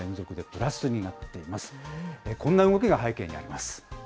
こんな動きが背景にあります。